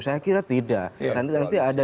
saya kira tidak nanti ada